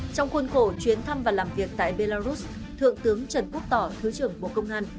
trong khuôn khổ chuyến thăm và làm việc tại belarus thượng tướng trần quốc tỏ thứ trưởng bộ công an